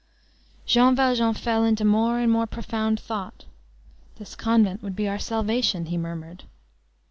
Jean Valjean fell into more and more profound thought.—"This convent would be our salvation," he murmured.